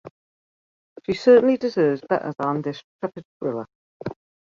She certainly deserves better than this tepid thriller.